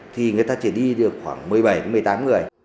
thì người ta chỉ đi được khoảng một mươi bảy một mươi tám người